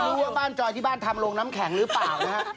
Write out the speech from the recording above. ว่าบ้านจอยที่บ้านทำโรงน้ำแข็งหรือเปล่านะฮะ